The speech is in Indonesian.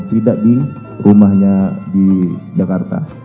tidak di rumahnya di jakarta